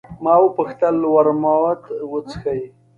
ما وپوښتل: ورموت څښې؟